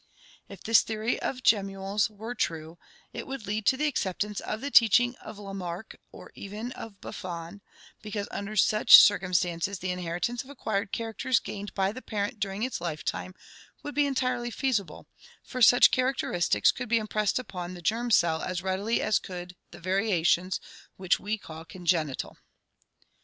If this theory of gemmules were true, it would lead to the acceptance of the teach ing of Lamarck or even of Buffon, because under such circumstances the inheritance of acquired characters gained by the parent during its lifetime would be entirely feasible, for such characteristics could be impressed upon the germ cell as readily as could the variations which we call congenital.